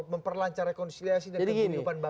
memperlancar rekonsiliasi dan kembali ke indonesia